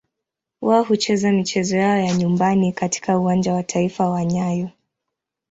Wao hucheza michezo yao ya nyumbani katika Uwanja wa Taifa wa nyayo.